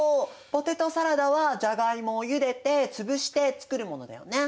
ポテトサラダはジャガイモをゆでて潰して作るものだよね。